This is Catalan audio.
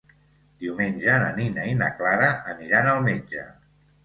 Diumenge na Nina i na Clara aniran al metge.